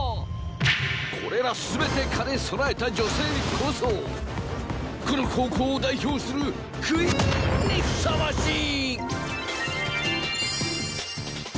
これら全て兼ね備えた女性こそこの高校を代表するクイーンにふさわしい！